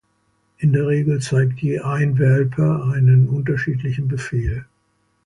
In der Regel zeigt je ein Welpe einen unterschiedlichen Befehl.